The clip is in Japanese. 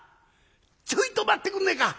ちょいと待ってくんねえか。